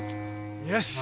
よし。